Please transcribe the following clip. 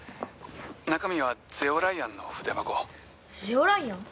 中身は『ゼオライアン』の筆箱」『ゼオライアン』？